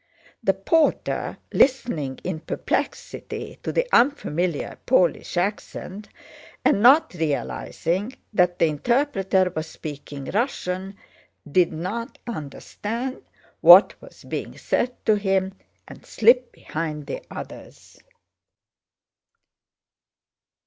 The porter, listening in perplexity to the unfamiliar Polish accent and not realizing that the interpreter was speaking Russian, did not understand what was being said to him and slipped behind the others.